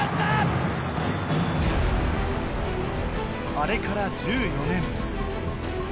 あれから１４年。